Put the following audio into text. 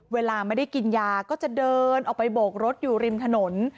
เวลาไม่ได้กินยาก็จะเดินออกไปโบกรถอยู่ริมถนน